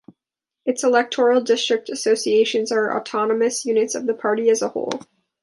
Its Electoral District Associations are autonomous units of the party as a whole.